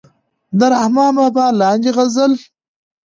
د رحمان بابا لاندې غزل